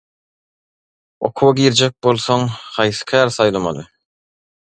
«Okuwa girjek bolsaň, haýsy käri saýlamaly?»